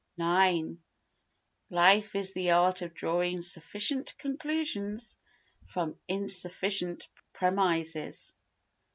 ix Life is the art of drawing sufficient conclusions from insufficient premises.